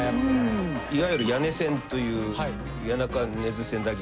いわゆる谷根千という谷中根津千駄木。